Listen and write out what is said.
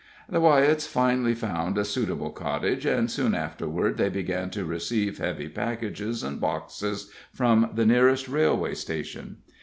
The Wyetts finally found a suitable cottage, and soon afterward they began to receive heavy packages and boxes from the nearest railway station.